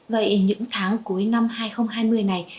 vậy những tháng cuối năm hai nghìn hai mươi này